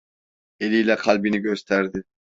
Eliyle kalbini gösterdi.